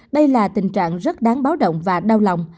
đây là tình trạng rất đáng báo động và đau lòng